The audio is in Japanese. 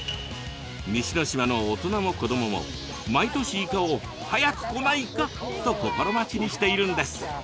西ノ島の大人も子どもも毎年イカを「早く来なイカ」と心待ちにしているんです。